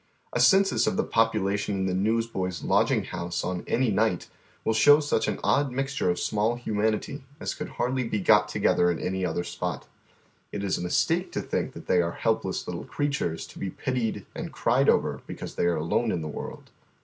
A census of the population in the Newsboys' Lodging house on any niglit will show such an odd mixture of small linmanity as could Iiardly be got together in any other spot. It is a mistake to think that they are helpless little creatnree, to be pitied and cried over because they are alone in the world.